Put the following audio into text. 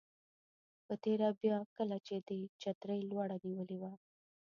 په تېره بیا کله چې دې چترۍ لوړه نیولې وه.